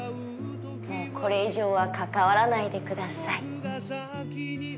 もうこれ以上は関わらないでください。